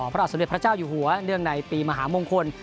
พระบาทสมเด็จพระเจ้าอยู่หัวเนื่องในปีมหามงคล